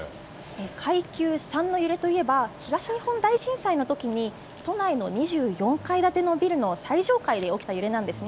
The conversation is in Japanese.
階級３の揺れといえば東日本大震災の時に都内の２４階建てのビルの最上階で起きた揺れなんです。